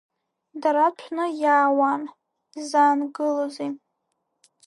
Дара ҭәны иаауан, изаангылози.